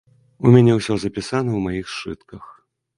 У мяне ўсё запісана ў маіх сшытках.